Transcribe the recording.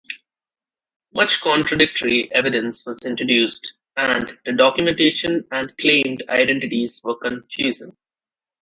Much contradictory evidence was introduced, and the documentation and claimed identities were confusing.